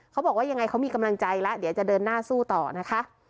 เขาบอกว่ายังไงเขามีกำลังใจแล้วเดี๋ยวจะเดินหน้าสู้ต่อนะคะ